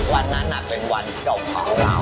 วันนั้นเป็นวันจบของเรา